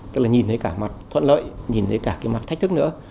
tức là nhìn thấy cả mặt thuận lợi nhìn thấy cả cái mặt thách thức nữa